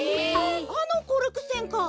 あのコルクせんか。